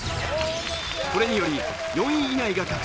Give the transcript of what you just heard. これにより４位以内が確定。